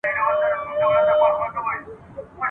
ښځه له خپله ځایه را ولوېدله